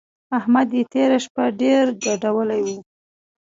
احمد يې تېره شپه ډېر ګډولی وو.